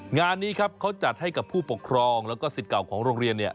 งานนี้ครับเขาจัดให้กับผู้ปกครองแล้วก็สิทธิ์เก่าของโรงเรียนเนี่ย